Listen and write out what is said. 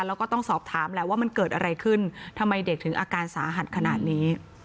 แล้วก็ต้องสอบถามแหละว่ามันเกิดอะไรขึ้นทำไมเด็กถึงอาการสาหัสขนาดนี้